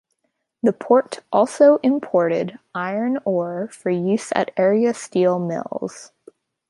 The port also imported iron ore for use at area steel mills.